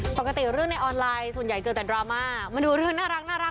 ปกติรื่องในออนไลน์ส่วนใหญ่เจอแต่รามาม์มาดูรเนื่องน่ารักน่ารัก